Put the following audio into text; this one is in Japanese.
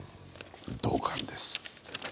同感です。